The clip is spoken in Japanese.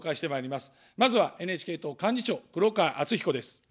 まずはＮＨＫ党幹事長、黒川あつひこです。